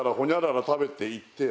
「○○食べていってなぁ！」